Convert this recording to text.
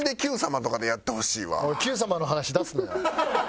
おい『Ｑさま！！』の話出すなよ。